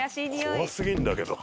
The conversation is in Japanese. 怖すぎるんだけど。